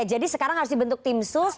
jadi sekarang harus dibentuk tim sus